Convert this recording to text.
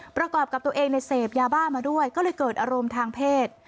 ประกอบกับตัวเองในเสพยาบ้ามาด้วยก็เลยเกิดอารมณ์ทางเพศ